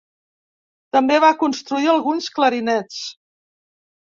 També va construir alguns clarinets.